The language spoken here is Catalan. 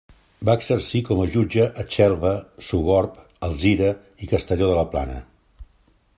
Va exercir com a jutge a Xelva, Sogorb, Alzira i Castelló de la Plana.